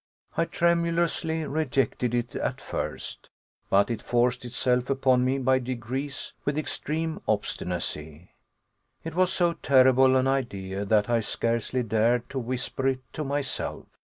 I tremulously rejected it at first, but it forced itself upon me by degrees with extreme obstinacy. It was so terrible an idea that I scarcely dared to whisper it to myself.